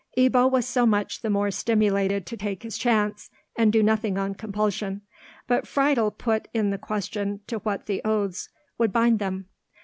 Ebbo was so much the more stimulated to take his chance, and do nothing on compulsion; but Friedel put in the question to what the oaths would bind them.